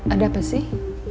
ada apa sih